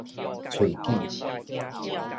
喙緊